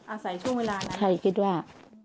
อาศัยช่วงเวลานั้นใครคิดว่า